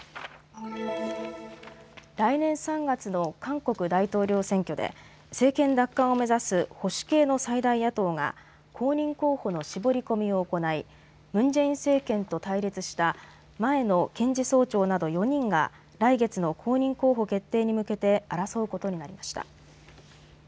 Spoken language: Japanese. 来年３月の韓国大統領選挙で政権奪還を目指す保守系の最大野党が公認候補の絞り込みを行いムン・ジェイン政権と対立した前の検事総長など４人が来月の公認候補決定に向けて争うことになりました。